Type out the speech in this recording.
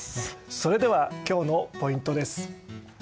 それでは今日のポイントです。